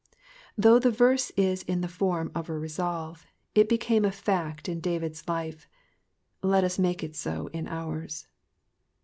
Though the verse is in the form of a resolve, it became a fact in David's life, let us make it so in ours.